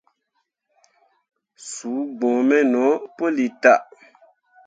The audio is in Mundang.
Suu gbǝ̃ǝ̃ me no puli tah.